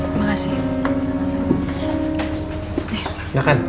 papa udah peselin makanan buat kamu